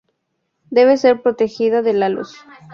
Debe ser protegida de la luz.